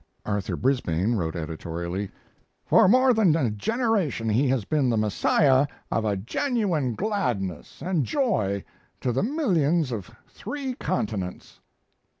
Arthur Brisbane wrote editorially: For more than a generation he has been the Messiah of a genuine gladness and joy to the millions of three continents.